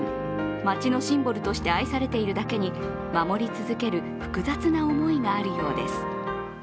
町のシンボルとして愛されているだけに、守り続ける複雑な思いがあるようです。